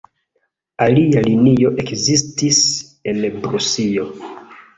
Alia linio ekzistis en Prusio.